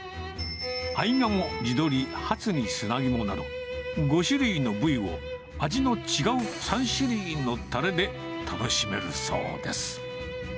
合鴨、地鶏、ハツに砂肝など、５種類の部位を味の違う３種類のたれで楽しめるそうです。